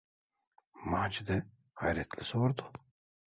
Macide hayretle sordu: